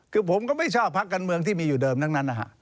คือผมก็ไม่ชอบพักการเมืองที่มีอยู่เดิมทั้งนั้นนะฮะ